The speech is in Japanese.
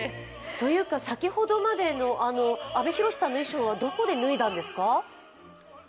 というか、先ほどまでの阿部寛さんの衣装はどこで脱いだんですか？